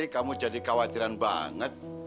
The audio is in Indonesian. kamu jadi khawatiran banget